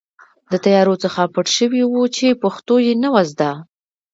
د طیارو څخه پټ شوي وو چې پښتو یې نه وه زده.